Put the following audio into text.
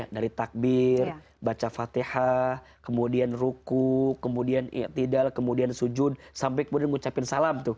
dari takbir baca fatihah kemudian ruku kemudian iktidal kemudian sujud sampai kemudian ngucapin salam